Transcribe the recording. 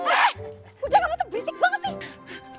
eh udah gak mau tuh berisik banget sih